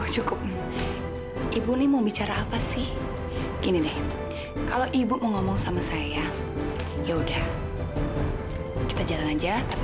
cukup ibu nih mau bicara apa sih gini deh kalau ibu mau ngomong sama saya yaudah kita jalan aja tapi